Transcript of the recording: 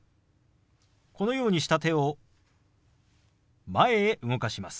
このようにした手を前へ動かします。